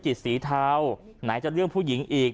ธุรกิจศรีทาวด์สิบไหนจะเลี่ยงผู้หญิงอีก